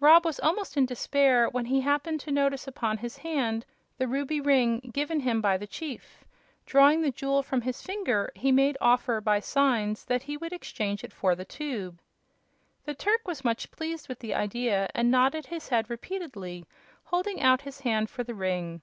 Rob was almost in despair, when he happened to notice upon his hand the ruby ring given him by the chief. Drawing the jewel from his finger he made offer, by signs, that he would exchange it for the tube. The Turk was much pleased with the idea, and nodded his head repeatedly, holding out his hand for the ring.